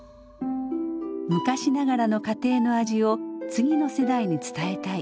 昔ながらの家庭の味を次の世代に伝えたい。